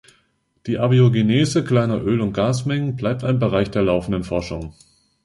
Die Abiogenese kleiner Öl- und Gasmengen bleibt ein Bereich der laufenden Forschung.